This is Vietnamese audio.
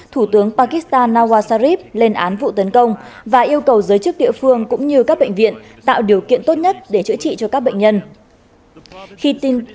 thủ tướng pakistan nawasarib lên án vụ tấn công và yêu cầu giới chức địa phương cũng như các bệnh viện tạo điều kiện tốt nhất để chữa trị cho các bệnh nhân